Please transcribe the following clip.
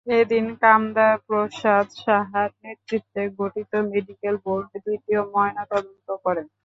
এদিন কামদা প্রসাদ সাহার নেতৃত্বে গঠিত মেডিকেল বোর্ড দ্বিতীয় ময়নাতদন্ত করে।